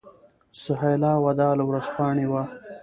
سهیلا وداع له ورځپاڼې وه.